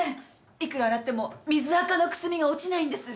いくら洗っても水垢のくすみが落ちないんです。